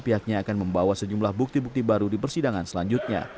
pihaknya akan membawa sejumlah bukti bukti baru di persidangan selanjutnya